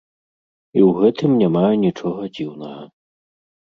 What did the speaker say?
І ў гэтым няма анічога дзіўнага.